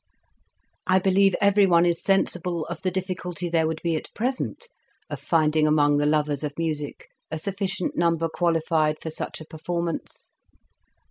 I believe everyone is sensible of the difficulty there would be at present of finding among the lovers of music a sufficient number qualified for such a performance.